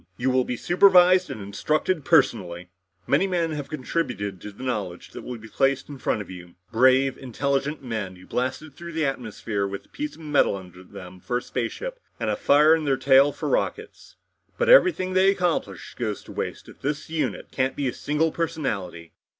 You will be supervised and instructed personally. "Many men have contributed to the knowledge that will be placed in front of you brave, intelligent men, who blasted through the atmosphere with a piece of metal under them for a spaceship and a fire in their tail for rockets. But everything they accomplished goes to waste if the unit can't become a single personality.